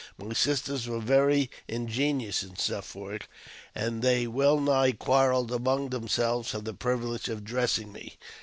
My sisters were very ingenious in such work, and they well nigh quarrelled among themselves for the privilege of dressing me.